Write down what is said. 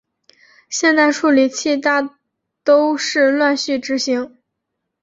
现代处理器大都是乱序执行。